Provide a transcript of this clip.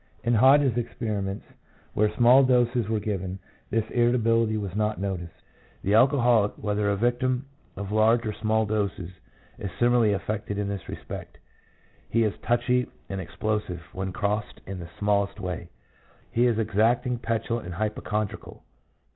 In Hodge's experiments, where small doses were given, this irritability was not noticed. The alcoholic, whether a victim of large or small doses, is similarly affected in this respect; he is "touchy" and "explo sive" when crossed in the smallest way. 4 He is exacting, petulant, and hypochondrical.